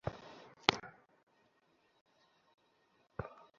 তখন সে বিষয়ভোগে আর তত সুখ পায় না।